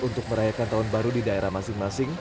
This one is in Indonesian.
untuk merayakan tahun baru di daerah masing masing